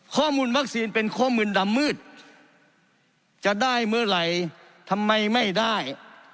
ข้อมูลวัคซีนเป็นข้อมูลดำมืดจะได้เมื่อไหร่ทำไมไม่ได้